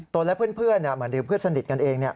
ตัวแล้วเพื่อนเหมือนเดียวกับเพื่อนสนิทกันเองเนี่ย